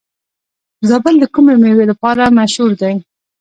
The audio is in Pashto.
زابل د کومې میوې لپاره مشهور دی؟